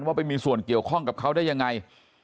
ว่าไปมีส่วนเกี่ยวข้องกับเขาได้ยังไง